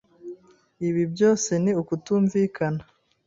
Ibi byose ni ukutumvikana.